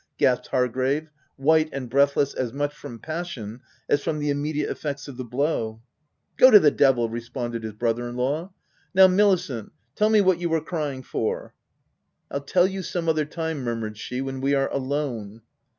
gasped Hargrave, white and breathless as much from passion as from the immediate effects of the blow. " Go to the devil V 3 responded his brother in law. "Now Milicent, tell me what you were crying for." " Fll tell you some other time," murmured she, " when we are alone."